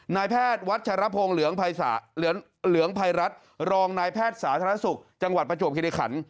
นายแพทย์วัชรพงศ์เหลืองภัยรัฐรองนายแพทย์สาธารณสุขจังหวัดประจวบคิริขัน